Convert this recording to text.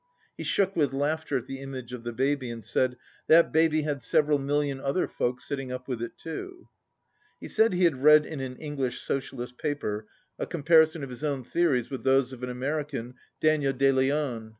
He shook with laughter at the image of the baby, and said, "That baby had several million other folk sitting up with it too." He said he had read in an English socialist paper a comparison ,of his own theories with those of an American, Daniel De Leon.